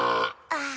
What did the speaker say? ああ。